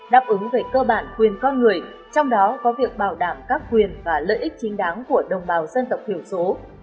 đáp ứng về cơ bản quyền con người trong đó có việc bảo đảm các quyền và lợi ích chính đáng của đồng bào dân tộc thiểu số